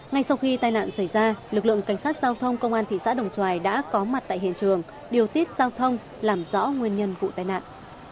ngay sau khi tai nạn xảy ra lực lượng cảnh sát giao thông công an thị xã đồng xoài đã có mặt tại hiện trường điều tiết giao thông làm rõ nguyên nhân vụ tai nạn